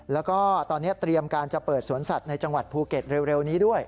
แล้วก็ตอนนี้เตรียมการจะเปิดสวนสัตว์ในจังหวัดภูเก็ตเร็วนี้ด้วย